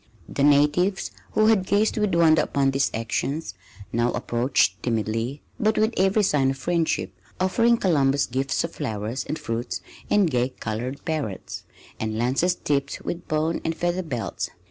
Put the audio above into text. The natives, who had gazed with wonder upon these actions, now approached timidly but with every sign of friendship, offering Columbus gifts of flowers and fruits and gay colored parrots, and lances tipped with bone and feather belts.